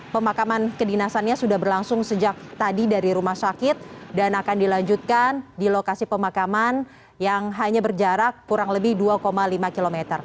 pemakaman kedinasannya sudah berlangsung sejak tadi dari rumah sakit dan akan dilanjutkan di lokasi pemakaman yang hanya berjarak kurang lebih dua lima km